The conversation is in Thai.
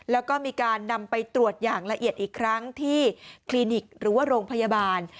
แล้วก็มีการนำไปตรวจอย่างละเอียดอีกครั้งที่คลินิกหรือว่าโรงพยาบาล